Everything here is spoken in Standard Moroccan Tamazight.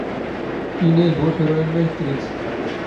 ⵉⵏⵉ ⵉ ⴱⵓ ⵉⵃⵔⵓⵢⵏ ⵎⴰⵢⴷ ⵜⵔⵉⴷ.